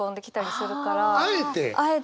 あえて？